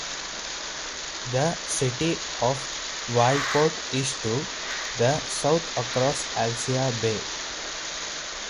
The city of Waldport is to the south across Alsea Bay.